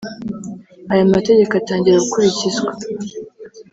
Aya mategeko atangira gukurikizwa